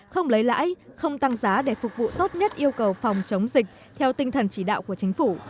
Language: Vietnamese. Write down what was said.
không lấy lãi không tăng giá để phục vụ tốt nhất yêu cầu phòng chống dịch theo tinh thần chỉ đạo của chính phủ